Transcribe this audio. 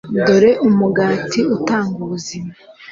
dore umugati utanga ubuzima